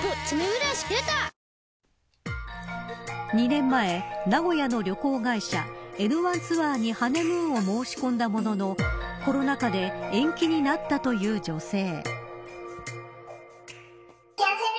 ２年前名古屋の旅行会社エヌワンツアーにハネムーンを申し込んだもののコロナ禍で延期になったという女性。